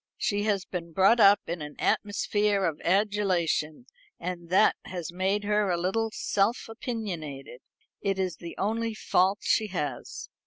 She has been brought up in an atmosphere of adulation, and that has made her a little self opinionated. It is the only fault she has."